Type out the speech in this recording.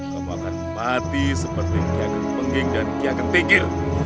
kamu akan mati seperti kiakan pengging dan kiakan tinggir